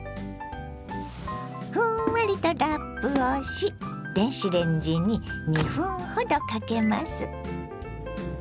ふんわりとラップをし電子レンジに２分ほどかけます。